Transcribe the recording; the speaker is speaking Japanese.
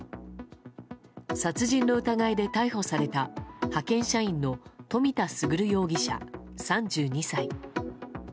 殺人の疑いで逮捕された派遣社員の冨田賢容疑者、３２歳。